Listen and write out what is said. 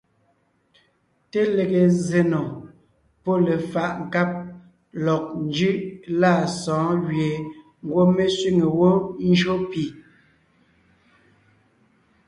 Te lege zsè nò pɔ́ lefaʼ nkáb lɔg njʉʼ lâ sɔ̌ɔn gẅie ngwɔ́ mé sẅîŋe wó ńjÿó pì.